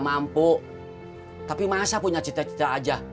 mampu tapi masa punya cita cita aja